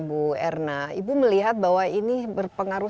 bu erna ibu melihat bahwa ini berpengaruh